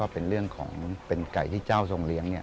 เป็นไก่ที่เจ้าทรงเลี้ยง